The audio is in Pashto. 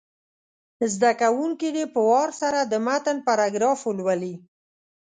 زده کوونکي دې په وار سره د متن پاراګراف ولولي.